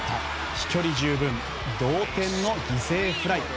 飛距離十分同点の犠牲フライ。